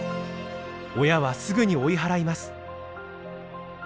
親はすぐに追い払います。